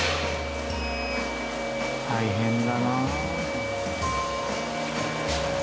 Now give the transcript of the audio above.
大変だなあ。